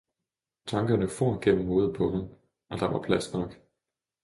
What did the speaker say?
tankerne for gennem hovedet på ham og der var plads nok